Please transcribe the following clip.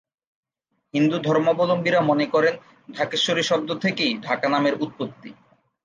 হিন্দু ধর্মাবলম্বীরা মনে করেন, ঢাকেশ্বরী শব্দ থেকেই ঢাকা নামের উৎপত্তি।